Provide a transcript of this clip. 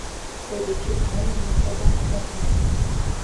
Тый дечет молым мый садак ом нал.